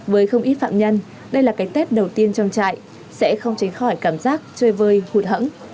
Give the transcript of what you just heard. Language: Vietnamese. với không ít phạm nhân đây là cái tết đầu tiên trong trại sẽ không tránh khỏi cảm giác chơi vơi hụt hẫng